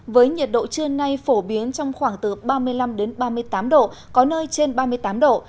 với nhiệt độ trưa nay phổ biến trong khoảng từ ba mươi năm ba mươi tám độ có nơi trên ba mươi tám độ